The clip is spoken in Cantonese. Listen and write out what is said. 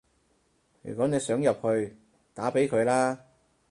如果你想入去，打畀佢啦